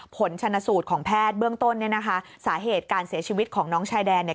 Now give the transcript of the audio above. ผลชนสูตรของแพทย์เบื้องต้นเนี่ยนะคะสาเหตุการเสียชีวิตของน้องชายแดนเนี่ย